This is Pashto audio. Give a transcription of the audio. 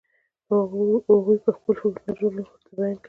هغوی به خپل هنرونه ورته بیان کول.